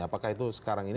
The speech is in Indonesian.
apakah itu sekarang ini